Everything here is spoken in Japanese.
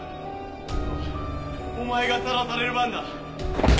今度はお前がさらされる番だ！